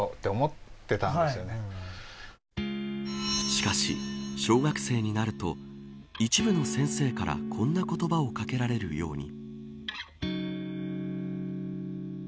しかし、小学生になると一部の先生から今の言葉をかけられるように。